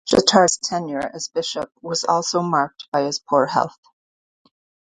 Chatard's tenure as bishop was also marked by his poor health.